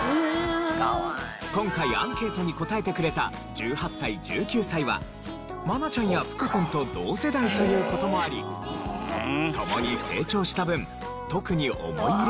今回アンケートに答えてくれた１８歳１９歳は愛菜ちゃんや福君と同世代という事もあり共に成長した分。